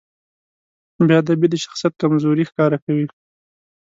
بېادبي د شخصیت کمزوري ښکاره کوي.